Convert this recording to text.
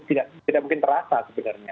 tidak mungkin terasa sebenarnya